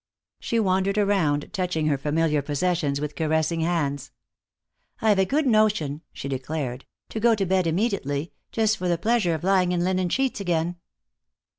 She wandered around, touching her familiar possessions with caressing hands. "I've a good notion," she declared, "to go to bed immediately, just for the pleasure of lying in linen sheets again."